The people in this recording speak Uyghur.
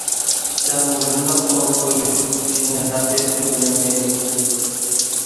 دەل مۇشۇنداق سوئال قويۇش كىشىنى ھەقىقىي بىلىمگە ئىگە قىلىدۇ.